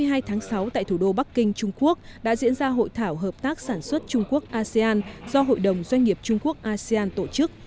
ngày hai tháng sáu tại thủ đô bắc kinh trung quốc đã diễn ra hội thảo hợp tác sản xuất trung quốc asean do hội đồng doanh nghiệp trung quốc asean tổ chức